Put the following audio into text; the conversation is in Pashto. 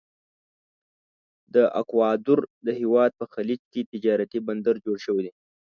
د اکوادور د هیواد په خلیج کې تجارتي بندر جوړ شوی دی.